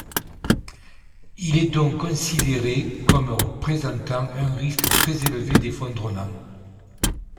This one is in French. Il est donc considéré comme présentant un risque très élevé d'effondrement.